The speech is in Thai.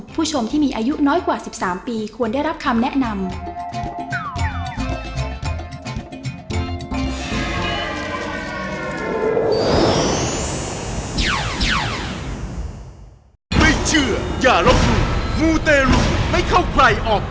ผู้ชมที่มีอายุน้อยกว่า๑๓ปีควรได้รับคำแนะนำ